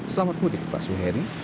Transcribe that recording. selamat mudik pak suheri